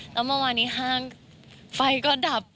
แล้วเมื่อวานนี้ห้างไฟก็ดับ